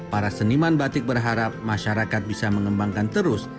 para seniman batik berharap masyarakat bisa mengembangkan terus